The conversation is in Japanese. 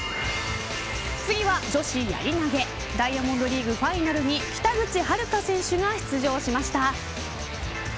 次は女子やり投げダイヤモンドリーグファイナルに北口榛花選手が出場しました。